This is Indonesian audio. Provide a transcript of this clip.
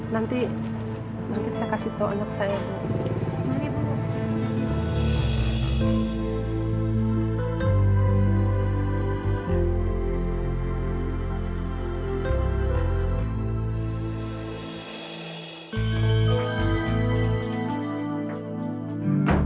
nanti nanti saya kasih to'an untuk saya bu